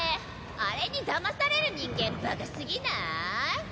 あれにだまされる人間バカすぎなーい？